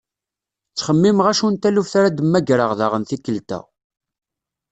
Ttxemmimeɣ acu n taluft ara d-mmagreɣ daɣen tikkelt-a.